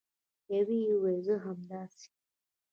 یوې وویل: زه همداسې